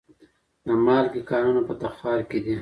د مالګې کانونه په تخار کې دي